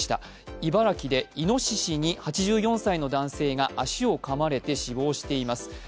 茨城でいのししに８４歳の男性が足をかまれて死亡しています。